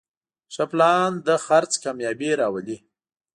ښه پلان د خرڅ کامیابي راولي.